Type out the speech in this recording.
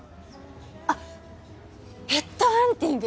あっヘッドハンティング？